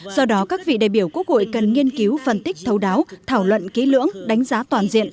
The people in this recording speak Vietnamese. do đó các vị đại biểu quốc hội cần nghiên cứu phân tích thấu đáo thảo luận ký lưỡng đánh giá toàn diện